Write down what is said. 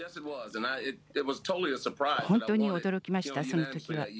本当に驚きました、そのときは。